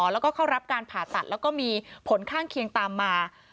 แล้วก็เข้ารับการผ่าตัดแล้วก็มีผลข้างเคียงตามมา